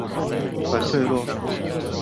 反脆弱